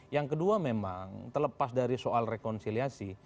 yang kedua memang terlepas dari soal rekonsiliasi